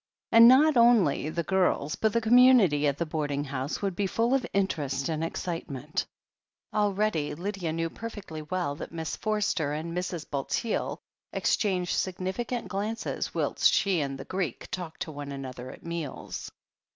And not only the girls but the community at the boarding house would be full of interest and excite ment. Already Lydia knew perfectly well that Miss Forster and Mrs. Bulteel exchanged significant glances whilst she and the Greek talked to one another at meals.